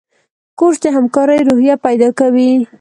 کورس د همکارۍ روحیه پیدا کوي.